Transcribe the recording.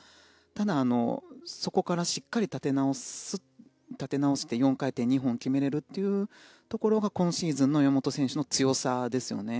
ただ、そこからしっかり立て直して４回転２本決められるというところが今シーズンの山本選手の強さですよね。